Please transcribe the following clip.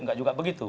nggak juga begitu